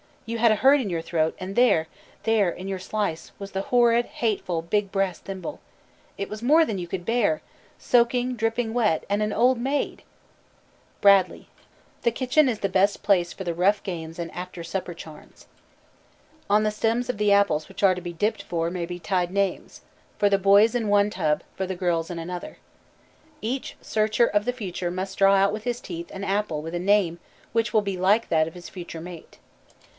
You had a hurt in your throat, and there, there, in your slice, was the horrid, hateful, big brass thimble. It was more than you could bear soaking, dripping wet, and an old maid!" BRADLEY: Different Party. [Illustration: A WITCH TABLE. AN OWL TABLE. HALLOWE'EN TABLES, I.] The kitchen is the best place for the rough games and after supper charms. On the stems of the apples which are to be dipped for may be tied names; for the boys in one tub, for the girls in another. Each searcher of the future must draw out with his teeth an apple with a name which will be like that of his future mate.